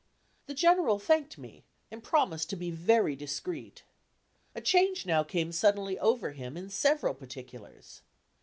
The General thanked me, and promised to be very discreet. A change now came suddenly over him in several particulars.